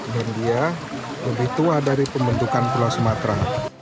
dan dia lebih tua dari pembentukan pulau sumatera